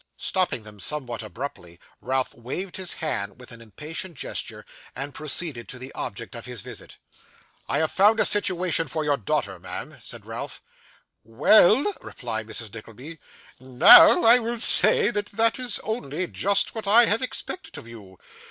Stopping them somewhat abruptly, Ralph waved his hand with an impatient gesture, and proceeded to the object of his visit. 'I have found a situation for your daughter, ma'am,' said Ralph. 'Well,' replied Mrs. Nickleby. 'Now, I will say that that is only just what I have expected of you.